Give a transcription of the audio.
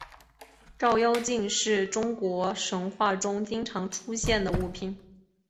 照妖镜是在中国神话中经常出现的物品。